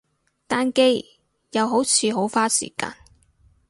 單機，又好似好花時間